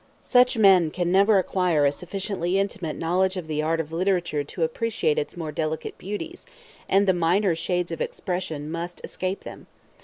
Such man can never acquire a sufficiently intimate knowledge of the art of literature to appreciate its more delicate beauties; and the minor shades of expression must escape them.